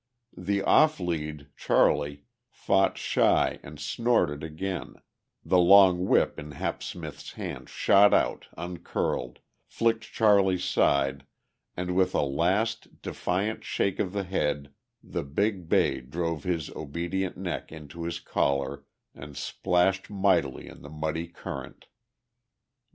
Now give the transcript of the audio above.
The off lead, Charlie, fought shy and snorted again; the long whip in Hap Smith's hand shot out, uncurled, flicked Charlie's side, and with a last defiant shake of the head the big bay drove his obedient neck into his collar and splashed mightily in the muddy current.